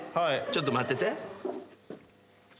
ちょっと待ってて。